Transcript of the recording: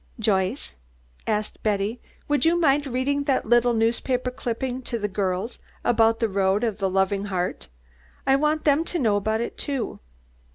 "Joyce," asked Betty, "would you mind reading that little newspaper clipping to the girls about the Road of the Loving Heart? I want them to know about it, too."